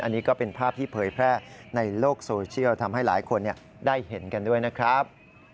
อันนี้ก็เป็นภาพที่เผยแพร่ในโลกโซเชียลทำให้หลายคนได้เห็นกันด้วยนะครับ